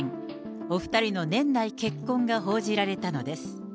お２人の年内結婚が報じられたのです。